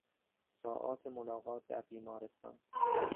ساعات ملاقات در بیمارستان